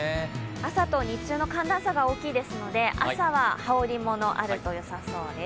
朝と日中の寒暖差が大きいですので朝は羽織り物があるとよさそうです。